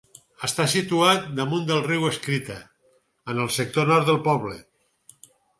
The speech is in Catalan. Està situat damunt del Riu Escrita, en el sector nord del poble.